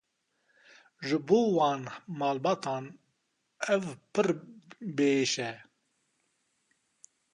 Ji bo wan malbatan ev pir biêş e.